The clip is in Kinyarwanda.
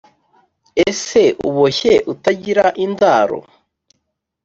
Ese Uboshye utagira indaro